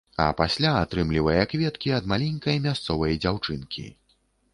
А пасля атрымлівае кветкі ад маленькай мясцовай дзяўчынкі.